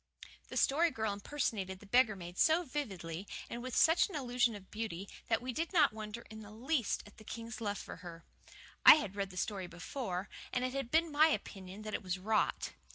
The Story Girl impersonated the beggar maid so vividly, and with such an illusion of beauty, that we did not wonder in the least at the king's love for her. I had read the story before, and it had been my opinion that it was "rot."